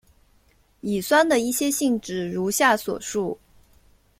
乙酸的一些性质如下所述。